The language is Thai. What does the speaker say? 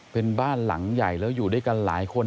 เป็นบ้านหลังใหญ่แล้วอยู่ด้วยกันหลายคน